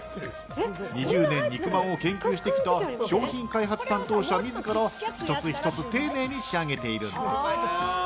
２０年、肉まんを研究してきた商品開発担当者自ら１つ１つ丁寧に仕上げているんです。